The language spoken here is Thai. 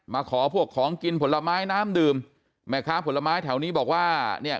มาขอพวกของกินผลไม้น้ำดื่มแม่ค้าผลไม้แถวนี้บอกว่าเนี่ย